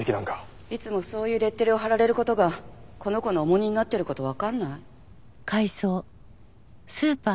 いつもそういうレッテルを貼られる事がこの子の重荷になってる事わかんない？